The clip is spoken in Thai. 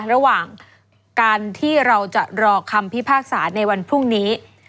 ระหว่างการที่เราจะรอคำพิพากษาในวันพรุ่งนี้